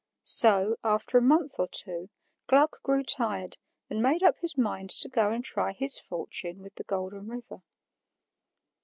So, after a month or two, Gluck grew tired and made up his mind to go and try his fortune with the Golden River.